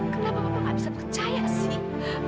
kenapa bapak gak bisa percaya sih